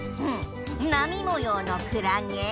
もようのクラゲ。